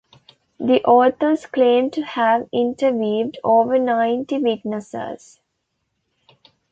The authors claimed to have interviewed over ninety witnesses.